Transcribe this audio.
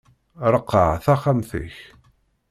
Ṛeqqeɛ taxxamt-ik!